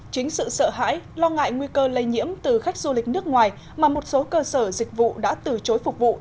chính sự sợ hãi lo ngại nguy cơ lây nhiễm từ khách du lịch nước ngoài mà một số cơ sở dịch vụ đã từ chối phục vụ